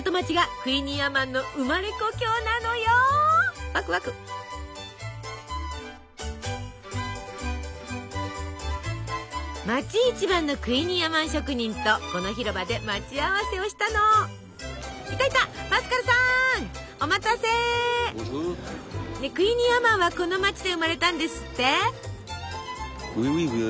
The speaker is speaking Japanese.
クイニーアマンはこの町で生まれたんですって？